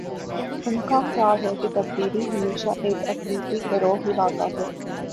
ان کا خیال ہے کہ تبدیلی ہمیشہ ایک اقلیتی گروہ ہی لاتا ہے۔